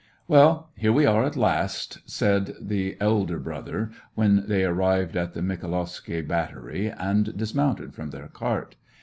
" Well, here we are at last !" said the elder brother, when they arrived at the Mikha'flovsky battery, and dismounted from their cart.